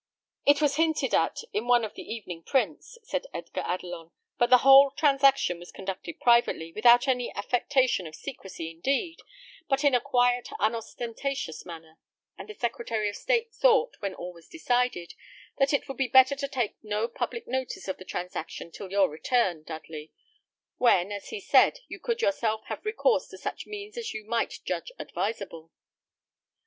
"It was hinted at in one of the evening prints," said Edgar Adelon; "but the whole transaction was conducted privately, without any affectation of secrecy indeed, but in a quiet, unostentatious manner; and the Secretary of State thought, when all was decided, that it would be better to take no public notice of the transaction till your return, Dudley; when, as he said, you could yourself have recourse to such means as you might judge advisable."